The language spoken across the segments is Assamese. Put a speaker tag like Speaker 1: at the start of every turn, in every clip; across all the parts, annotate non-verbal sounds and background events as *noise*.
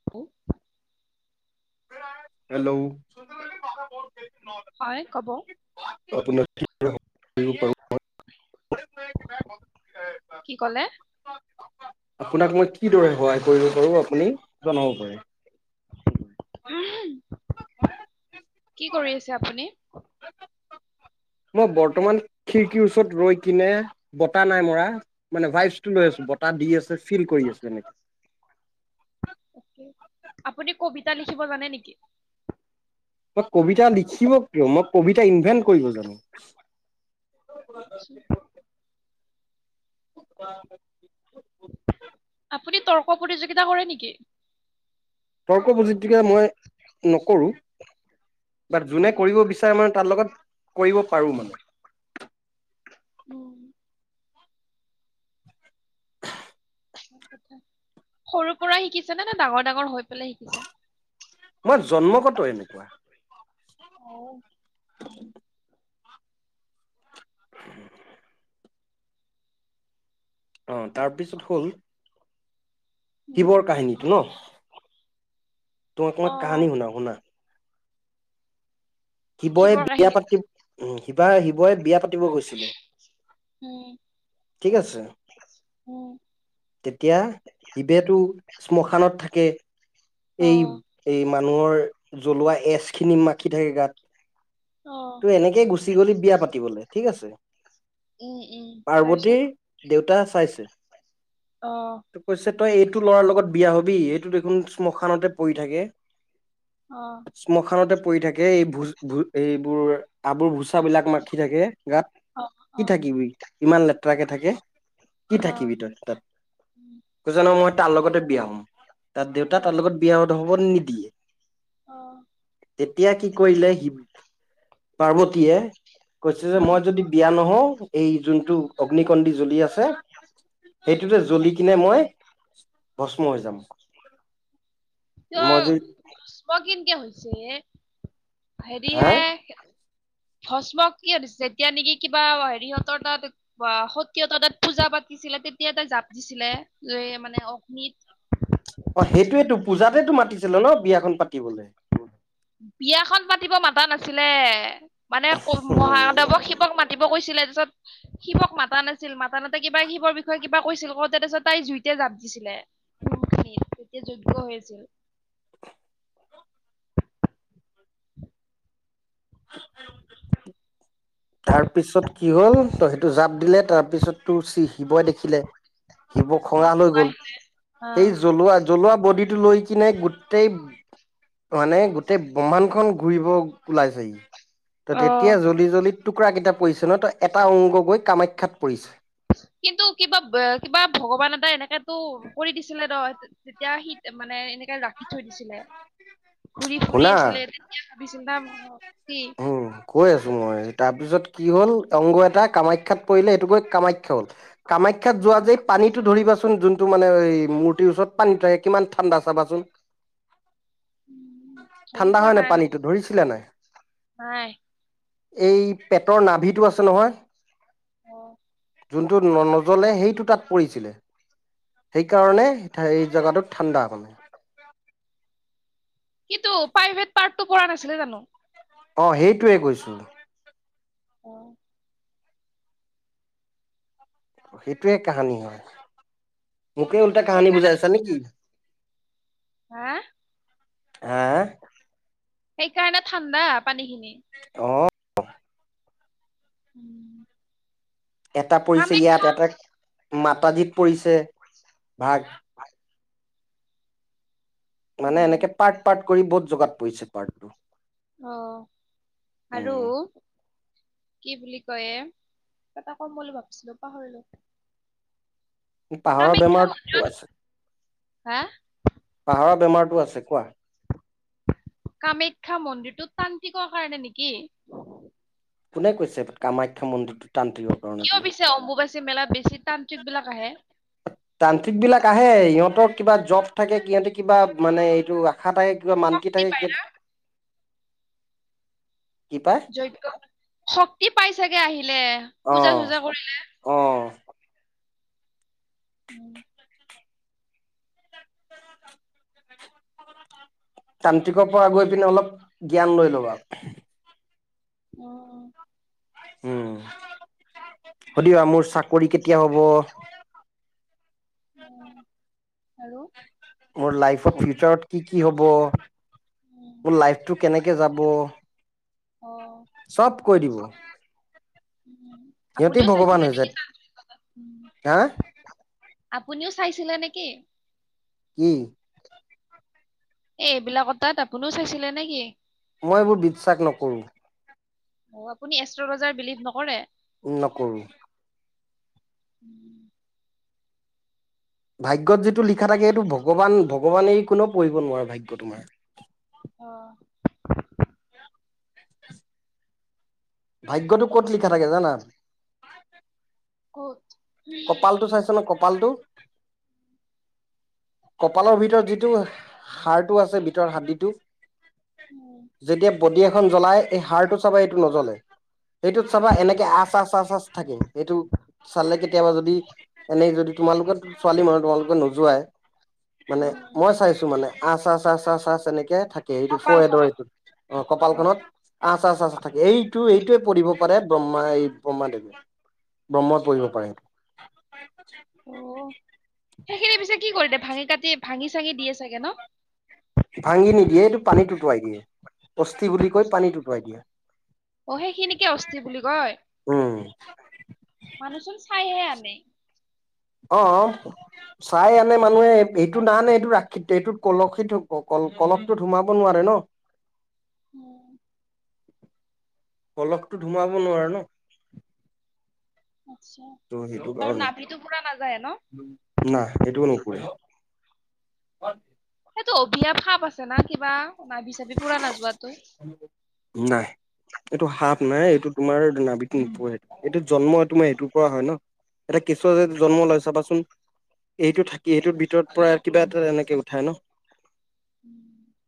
Speaker 1: *inaudible* হো!
Speaker 2: হেল্ল'?
Speaker 1: হয় ক'ব
Speaker 2: *unintelligible*
Speaker 1: কি ক'লে?
Speaker 2: আপোনাক মই কিদৰে সহায় কৰিব পাৰো, আপুনি জনাব পাৰে।
Speaker 1: কি কৰি আছে, আপুনি?
Speaker 2: *unintelligible* মই বৰ্তমান খিৰিকীৰ ওচৰত ৰৈ কিনে বতাহ নাই মৰা। মানে ভাইচটো লৈ আছো বতাহ দি আছে ফিল কৰি আছে এনেকে।
Speaker 1: তাকে, আপুনি কবিতা লিখিব জানে নেকি?
Speaker 2: মই কবিতা লিখিব কিয়, মই কবিতা ইনভেন্ট কৰিব জানো। *inaudible*
Speaker 1: আপুনি তৰ্ক প্ৰতিযোগিতা কৰে নেকি?
Speaker 2: তৰ্ক প্ৰযুক্তিকে মই নকৰোঁ বা যোনে
Speaker 1: উম,
Speaker 2: কৰিব বিচা মানে তাৰ লগত কৰিব পাৰো মানে।
Speaker 1: উম। সৰু পৰাই শিকিছে নে নে ডাঙৰ ডাঙৰ হৈ পেলাই শিকিছা?
Speaker 2: মোৰ জন্মগত এনেকুৱা।
Speaker 1: অ।
Speaker 2: *inaudible* *inaudible* অ তাৰপিছত হ'ল
Speaker 1: উম,
Speaker 2: শিৱৰ কাহিনীটো ন? তোমাক মই কাহানী
Speaker 1: অ',
Speaker 2: শুনাও শুনা। শিৱই
Speaker 1: শিৱৰ
Speaker 2: বিয়া
Speaker 1: কাহিনী
Speaker 2: পাতি শিৱা শিৱই বিয়া পাতি
Speaker 1: উম
Speaker 2: ঠিক আছে
Speaker 1: উম।
Speaker 2: তেতিয়া শিৱেতো শ্মশানত থাকে এই
Speaker 1: অ'
Speaker 2: এই মানুহৰ জ্বলোৱা এচ খিনি মাখি থাকে গাত। ত
Speaker 1: অ'
Speaker 2: এনেকে গুচি গলি সি বিয়া পাতিবলে ঠিক আছে।
Speaker 1: উম উম
Speaker 2: পাৰ্বতীৰ দেউতা চাইছে
Speaker 1: তাৰপিছত, অ।
Speaker 2: কৈছে তই এইটো ল'ৰাৰ লগত বিয়া হবি এইটো দেখোন শ্মশানতে পৰি থাকে।
Speaker 1: অ'
Speaker 2: শ্মশানতে পৰি থাকে এই ভোজ ভো এইবোৰ আবোৰ ভোচা বিলাক মাখি থাকে গাত
Speaker 1: অ'
Speaker 2: কি
Speaker 1: অ'
Speaker 2: থাকিবি, ইমান লেতেৰাক কে থাকে, কি
Speaker 1: অ'
Speaker 2: থাকিবি তই তাত।
Speaker 1: উম,
Speaker 2: এইটো জানো মই তাৰ লগতে বিয়া হ'ম। তাৰ দেউতা
Speaker 1: অ'
Speaker 2: তাৰ লগত বিয়া হ'ব নিদিয়ে।
Speaker 1: অ'
Speaker 2: তেতিয়া কি কৰিলে শিৱ পাৰ্বতী য়ে কৈছে যে
Speaker 1: অ'
Speaker 2: মই যদি বিয়া নহওঁ, এই যোনটো অগ্নিকন্দি জ্বলি আছে সেইটোতে জ্বলি কিনে মই ভষ্ম হৈ যাম।
Speaker 1: তো
Speaker 2: মই যদি
Speaker 1: ভস্ম কেনকে হৈছে এ?
Speaker 2: হা
Speaker 1: হেৰিহে ভস্মক কিয় দিছে এতিয়া নেকি কিবা হেৰিহঁতৰ তাত বা সতীয়তৰ তাত পূজা পাতিছিলে তেতিয়া তাত জাপ দিছিলে যে মানে অগ্নিত
Speaker 2: অ সেইটোৱেটো পূজাতেতো মাতিছিল ন বিয়াখন পাতিবলৈ।
Speaker 1: বিয়াখন পাতিব মাতা নাছিলে। মানে ক
Speaker 2: উম
Speaker 1: মহাদেৱক শিৱক মাতিব কৈছিলে তাৰপিছত শিৱক মাতা নাছিল, মাতানতে কিবা শিৱৰ বিষয়ে কিবা কৈছিল কওঁ তে তাৰপিছত তাই জুইতে জাঁপ দিছিলে। সেইটো তেতিয়া যজ্ঞ হৈ আছিল।
Speaker 2: *inaudible* তাৰপিছত কি হ'ল ত সেইটো জাপ দিলে তাৰপিছত তো শিৱই দেখিলে শিৱ
Speaker 1: অ
Speaker 2: খঙাল হৈ গ'ল, সেই জ্বলোৱা জ্বলোৱা বডিটো লৈ কিনে গোটেই মানে গোটেই ব্ৰমাণ্ডখন ঘূৰিব ওলাই চেহি, তো
Speaker 1: অ
Speaker 2: তেতিয়া জ্বলি জ্বলি টুকুৰা কেইটা পৰিছে ন', ত' এটা অংগ গৈ কামাখ্যাত পৰিছে।
Speaker 1: কিন্তু কিবা-কিবা ভগৱান এটাই এনেকাতো কৈ দিছিলে নহয়। তেতিয়া সি মানে এনেকে ৰাখি থৈ দিছিলে। ঘুৰি ফুৰি
Speaker 2: শুনা
Speaker 1: আছিলে তেতিয়া ভাবিচিল না *unintelligible* কি
Speaker 2: উম কৈ আছো মই, তাৰপিছত কি হ'ল, অংগ এটা কামাখ্যাত পৰিলে, সেইটো গৈ কামাখ্যা হল। কামাখ্যাত যোৱা যে, এই পানীটো ধৰিবাচোন, যোন টো মানে এই মূৰ্তিৰ ওচৰত পানী থাকে, কিমান ঠাণ্ডা চাবাচোন।
Speaker 1: উম ধৰি পোৱা নাই।
Speaker 2: ধৰিছিলা নাই?
Speaker 1: নাই।
Speaker 2: এই পেটৰ নাভিটো আছে নহয়। যোনটো নজ্বলে সেইটো তাত পৰিছিলে। সেইকাৰণেই সেই জেগাটো ঠাণ্ডা।
Speaker 1: কিন্তু প্ৰাইভেট পাৰ্টটো পৰা নাছিলে জানো?
Speaker 2: অ', হেইটোৱে কৈছো।
Speaker 1: অ'।
Speaker 2: সেইটোৱে কাহানী হয়, মোকে উল্টা কাহানি
Speaker 1: সেইকাৰণে
Speaker 2: বুজাই আছা নেকি?
Speaker 1: হা?
Speaker 2: হা?
Speaker 1: সেইকাৰণে ঠাণ্ডা পানীখিনি।
Speaker 2: অ'।
Speaker 1: উম।
Speaker 2: এটা পৰিছে ইয়াত, এটা মাতাজীত পৰিছে, ভাগ।
Speaker 1: হয়।
Speaker 2: মানে
Speaker 1: উম,
Speaker 2: এনেকে পাৰ্ট-পাৰ্ট কৰি বহুত জাগাত পৰিছে, পাৰ্ট।
Speaker 1: অ', আৰু
Speaker 2: উম
Speaker 1: কি বুলি কয় এ, এটা ক'ম বুলি ভাবিছিলো, পাহৰিলোঁ।
Speaker 2: পাহাৰৰ
Speaker 1: কামাখ্যা
Speaker 2: বেমাৰতো
Speaker 1: মন্দিৰত,
Speaker 2: আছে
Speaker 1: হা?
Speaker 2: পাহৰা বেমাৰটো আছে কোৱা।
Speaker 1: কামাখ্যা মন্দিৰটো তান্ত্ৰিকৰ কাৰণে নেকি?
Speaker 2: কোনে কৈছে, কামাখ্যা মন্দিৰটো তান্ত্ৰিকৰ কাৰণে বুলি?
Speaker 1: তে অম্বুবাচি যে মেলাত বেছি তান্ত্ৰিক বিলাক আহে।
Speaker 2: তান্ত্ৰিক বিলাক আহে, সিহঁতৰ কিবা জব থাকে, সিহঁতে কিবা মানে এইটো আশা থাকে, কিবা মান্তি
Speaker 1: শক্তি পায়
Speaker 2: থাকে, কি পায়?
Speaker 1: যজ্ঞ, শক্তি পাই চাগে আহিলে,
Speaker 2: অ
Speaker 1: পূজা-চূজা
Speaker 2: অ
Speaker 1: কৰিলে। উম।
Speaker 2: তান্ত্ৰিকৰ পৰা গৈ পিনে অলপ জ্ঞান লৈ ল'ব।
Speaker 1: অ', অ'।
Speaker 2: উম, সুধিবা মোৰ চাকৰি কেতিয়া হ'ব।
Speaker 1: অ', আৰু
Speaker 2: মোৰ লাইফত ফিউচাৰত কি, কি হ'ব,
Speaker 1: উম,
Speaker 2: মোৰ লাইফটো কেনেকে যাব।
Speaker 1: অ',
Speaker 2: চব কৈ দিব
Speaker 1: উম।
Speaker 2: সিহঁতি
Speaker 1: আপুনিও
Speaker 2: ভগৱান
Speaker 1: চাইছিলে
Speaker 2: হৈ
Speaker 1: নেকি
Speaker 2: যায়
Speaker 1: টাত্নিক্ৰ তাত?
Speaker 2: হা
Speaker 1: আপুনিও চাইছিলে নেকি?
Speaker 2: কি?
Speaker 1: এ এইবিলাক তাত আপুনিও চাইছিলে নেকি?
Speaker 2: মই এইবোৰ বিশ্বাস নকৰোঁ।
Speaker 1: অ' আপুনি এষ্ট্ৰলজাৰ বিলিভ নকৰে?
Speaker 2: উম নোকৰোঁ।
Speaker 1: উম।
Speaker 2: ভাগ্যত যিটো লিখা থাকে সেটো ভগৱান ভগৱানেই কোনেও পঢ়িব নোৱাৰে ভাগ্য তোমাৰ
Speaker 1: অ'
Speaker 2: ভাগ্যতো ক'ত লিখা থাকে জানা?
Speaker 1: ক'ত?
Speaker 2: কপালটো চাইছ নে কপালটো? কপালৰ ভিতৰত যিটো হাৰটো আছে ভিতৰ হাৰড়িটো।
Speaker 1: উম।
Speaker 2: যেতিয়া বডি এখন জ্বলাই, এই হাড়টো চাব এইটো নজ্বলে এইটো চাবা এনেকে আচ আচ আচ আচ থাকে সেইটো চালেকে কেতিয়াবা যদি এনেই যদি তোমালোকেত ছোৱালী মানুহ তোমালোকে নোযোৱাই মানে
Speaker 1: উম
Speaker 2: মই চাইছো মানে আচ আচ আচ এনেকে থাক কে এইটো
Speaker 1: কপাল
Speaker 2: ফৰহেদৰ
Speaker 1: খনত
Speaker 2: এইটো অঁ
Speaker 1: অ
Speaker 2: কপালখনত আচ আচ আচ থাকে এইটো এইটোৱে পৰিব পাৰে, ব্ৰহ্মা এই ব্ৰহ্মাদেৱে ব্ৰহ্ম পৰিব পাৰে।
Speaker 1: অ'। সেইখিনি পিছে কি কৰিলে ভাঙি কাটি ভাঙি চাঙি দিয়ে চাগে ন'?
Speaker 2: ভাঙি নিদিয়ে এইটো পানীত উটুৱাই দিয়ে। অস্থি বুলি কয়, পানীত উটুৱাই দিয়ে।
Speaker 1: অ' সেখিনিকে অস্থি বুলি কয়।
Speaker 2: উম
Speaker 1: মানুহ চোন চাইহে আনে।
Speaker 2: অঁ। চাই আনে মানুহে এইটো না নে এইটো ৰাক্ষিত এইটোত কলসিত থ কল পলসটোত সোমাব নোৱাৰে ন'?
Speaker 1: উম।
Speaker 2: পলসটোত সোমাব নোৱাৰো ন'?
Speaker 1: আচছা আৰু নাভিতো পুৰা নাযায়ে ন'?
Speaker 2: উম। নাহ এইটোও নুপুৰে।
Speaker 1: সেইটো অভিসাপ সাপ আছে না কিবা? নাবি চাভি পুৰা নাযোৱাটো?
Speaker 2: নাই। এইটো সাপ নাই, এইটো তোমাৰ নাভিত নোপুৰে। এইটো জন্ম এই তোমাৰ এইটোৰ পৰা হয় ন'? এটা কেঁচুৱা যদি জন্ম লয় চাবা চোন। এইটো থাকি এইটোত ভিতৰত পৰা কিবা এটা এনেকে উঠাই ন'?
Speaker 1: ওম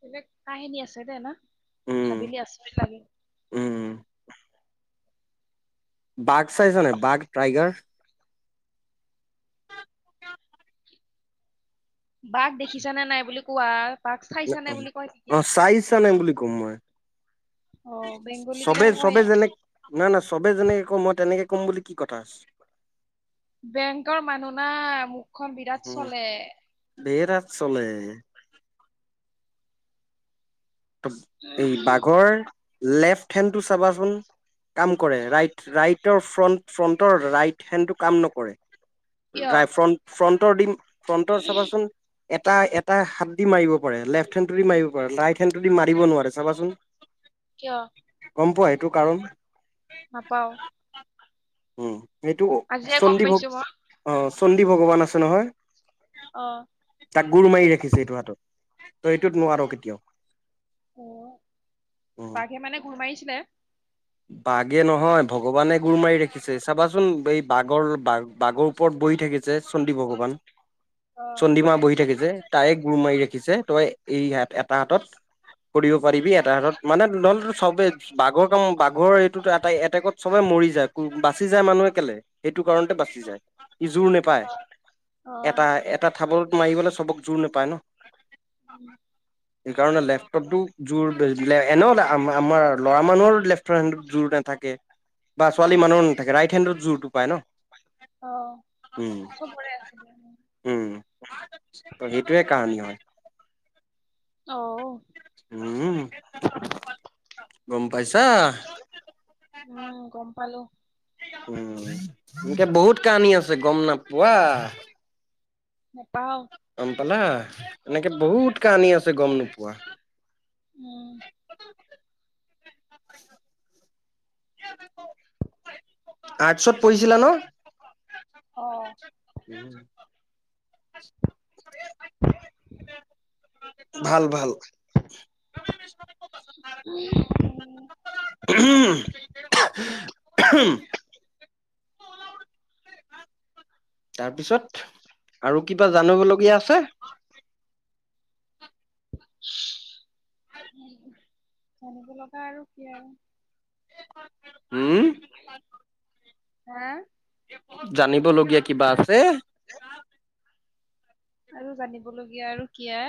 Speaker 1: বলেগ কাহিনী আছে দে না।
Speaker 2: উম
Speaker 1: ভাবিলি আছৰিত লাগে।
Speaker 2: উম। বাঘ চাইছ নাই? বাঘ টাইগাৰ।
Speaker 1: বাঘ দেখিছা নে নাই বুলি কোৱা? বাঘ চাইছা নাই বুলি কয় নেকি?
Speaker 2: অ চাইছা নাই বুলি কম মই
Speaker 1: অ' বেংগলী
Speaker 2: চবে
Speaker 1: বিলাকে কয়ে।
Speaker 2: চবে যেনে না না চবে যেনেকে ক' মই তেনেকে ক'ম বুলি কি কথা আছে?
Speaker 1: বেংকৰ মানুহ না, মুখখন বিৰাট চ'লে।
Speaker 2: দেৰ টাত চলে এই বাঘৰ লেফ্ট হেণ্ডটো চাবাচোন কাম কৰে ৰাইট ৰাইটৰ ফ্ৰন্ট ফ্ৰণ্টৰ ৰাইট হেণ্ডটো কাম নকৰে
Speaker 1: কিয়
Speaker 2: ৰাই ফ্ৰণ্ট ফ্ৰণ্টৰ দিম ফ্ৰণ্টৰ চাবাচোন এটা এটা হাত দি মাৰিব পাৰে লেফ্ট হেণ্ডটো দি মাৰিব পাৰে ৰাইট হেণ্ডটো দি মাৰিব নোৱাৰে চাবাচোন
Speaker 1: কিয়
Speaker 2: গম পোৱা এইটো কাৰণ
Speaker 1: নাপাও
Speaker 2: উম এইটো
Speaker 1: আজিয়ে গম
Speaker 2: চণ্ডী ভ
Speaker 1: পাইছো মই
Speaker 2: অ চণ্ডী ভগৱান আছে নহয়
Speaker 1: অ
Speaker 2: তাক গুৰ মাৰি ৰাখিছে এইটো হাতত ত এইটোত নোৱাৰ কেতিয়াও
Speaker 1: অ
Speaker 2: উম
Speaker 1: সেই মানে গুৰ মাৰিছিলে
Speaker 2: বাঘে নহয় ভগৱানে গুৰ মাৰি ৰাখিছে চাবাচোন এই বাঘৰ বাঘৰ ওপৰত বহি থাকে যে চণ্ডী ভগৱান
Speaker 1: অ
Speaker 2: চণ্ডীমা বহি থাকে যে তাই গুৰ মাৰি ৰাখিছে তই এই এটা হাতত কৰিব পাৰিবি এটা হাতত মানে নহ'লে চবে বাঘৰ কাম বাঘৰ এইটোত এটাই এটেকত চবে মৰি যায় বাচি যায় মানুহে কেলে সেইটো কাৰণতে বাচি যায় সি জোৰ নেপায়
Speaker 1: অ
Speaker 2: এটা এটা থাবত মাৰিবলে চবক জোৰ নেপায় ন
Speaker 1: উম
Speaker 2: সেইকাৰণে লেফ্টতো জোৰ এনেও আ আমাৰ ল'ৰা মানুহৰ লেফ্ট লেফ্ট হেণ্ডৰ জোৰ নাথাকে বা
Speaker 1: উম,
Speaker 2: ছোৱালী মানুহো নাথাকে ৰাইট হেণ্ডত জোৰটো পায় ন
Speaker 1: অ
Speaker 2: উম
Speaker 1: চবৰে আছে
Speaker 2: উম সেইটোৱে কাহানী হয়
Speaker 1: অ
Speaker 2: উম গম পাইছা
Speaker 1: উম গম পালো
Speaker 2: উম এনেকা বহুত কাহানী আছে গম নোপোৱা
Speaker 1: নেপাও
Speaker 2: গম পালা এনেকে বহুত কাহানী আছে গম নোপোৱা
Speaker 1: উম
Speaker 2: আৰ্টচত পঢ়িছিলা ন
Speaker 1: অ'।
Speaker 2: উম
Speaker 1: *inaudible* *unintelligible*
Speaker 2: ভাল ভাল
Speaker 1: উম
Speaker 2: *unintelligible* তাৰপিছত আৰু কিবা জানিব লগীয়া আছে
Speaker 1: জানিব লগা আৰু কি আৰু
Speaker 2: উম
Speaker 1: হা
Speaker 2: জানিব লগীয়া কিবা আছে
Speaker 1: আৰু জানিব লগীয়া আৰু কিয়া